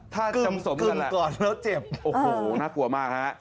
ถ้าจำสมกันแหละโอ้โฮน่ากลัวมากฮะถ้าเชิญมากนะครับ